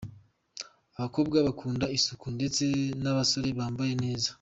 Abakobwa bakunda isuku, ndetse n'abasore bambaye neza.